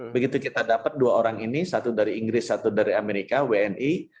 begitu kita dapat dua orang ini satu dari inggris satu dari amerika wni